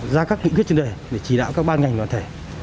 ra các kỹ quyết trên đời để chỉ đạo các ban ngành đoàn thể